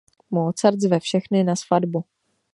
Mozart zve všechny na svatbu.